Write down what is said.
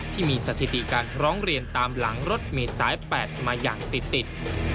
ที่มีสถิติการร้องเรียนตามหลังรถเมษาย๘มาอย่างติด